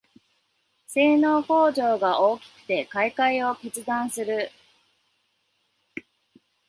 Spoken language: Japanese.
性能向上が大きくて買いかえを決断する